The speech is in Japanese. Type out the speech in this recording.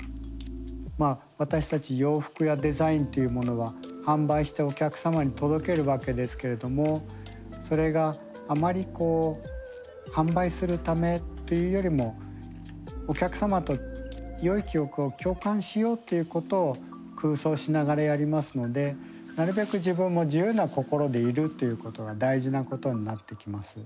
まあ私たち洋服やデザインというものは販売してお客様に届けるわけですけれどもそれがあまりこう販売するためというよりもお客様とよい記憶を共感しようということを空想しながらやりますのでなるべく自分も自由な心でいるということが大事なことになってきます。